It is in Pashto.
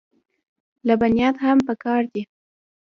لبنیات هم پکار دي.